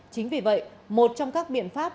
chính vì vậy một trong các biện pháp